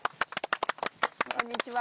こんにちは。